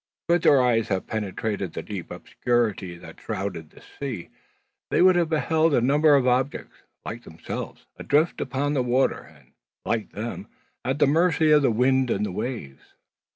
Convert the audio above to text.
Could their eyes have penetrated the deep obscurity that shrouded the sea, they would have beheld a number of objects, like themselves, adrift upon the water, and like them, at the mercy of the winds and waves.